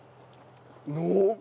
濃厚！